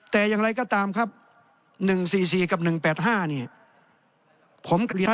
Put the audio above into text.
แต่อย่างไรก็ตามครับ๑๔๔กับ๑๘๕เนี่ย